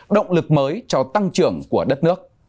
động lực mới cho tăng trưởng của đất nước